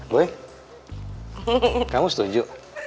boy kamu setuju